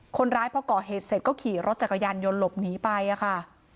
คนร้ายพอก่อเหตุเสร็จก็ขี่รถจักรยานยนต์หลบหนีไปค่ะ